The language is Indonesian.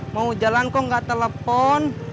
mau jalan kok gak telepon